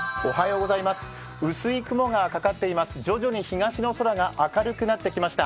薄い雲がかかっています、徐々に東の空が明るくなってきました。